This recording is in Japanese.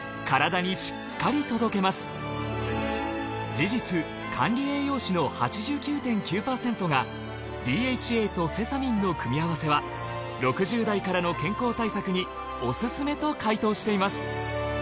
事実管理栄養士の８９．９％がＤＨＡとセサミンの組み合わせは６０代からの健康対策にオススメと回答しています。